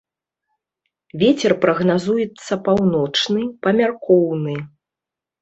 Вецер прагназуецца паўночны, памяркоўны.